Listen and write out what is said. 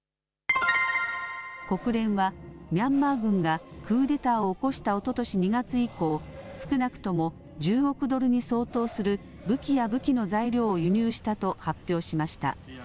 国連はミャンマー軍がクーデターを起こしたおととし２月以降、少なくとも１０億ドルに相当する武器や武器の材料を輸入したと発表しました。